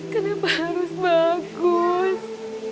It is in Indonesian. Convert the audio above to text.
kenapa harus bagus